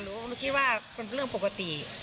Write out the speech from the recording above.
รู้สึกว่าเป็นเรื่องปกติ